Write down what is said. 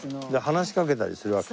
話しかけたりするわけ？